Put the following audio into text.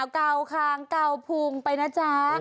เก่าคางเก่าพุงไปนะจ๊ะ